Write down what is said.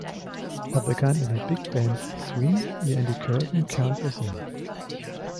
Er begann in den Big Bands des Swing, wie Andy Kirk und Count Basie.